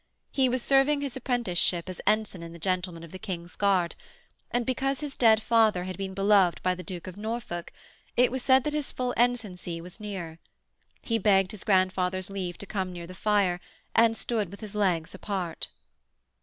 He was serving his apprenticeship as ensign in the gentlemen of the King's guard, and because his dead father had been beloved by the Duke of Norfolk it was said that his full ensigncy was near. He begged his grandfather's leave to come near the fire, and stood with his legs apart.